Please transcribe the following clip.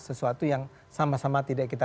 sesuatu yang sama sama tidak kita